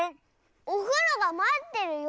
「おふろがまってるよ」！